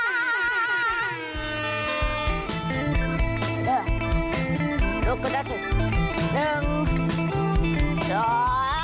หนึ่งสอง